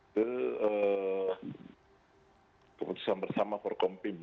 itu keputusan bersama forkompim